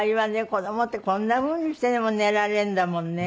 子供ってこんなふうにしてでも寝られるんだもんね。